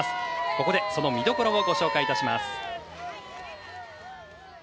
ここで、その見どころをご紹介いたします。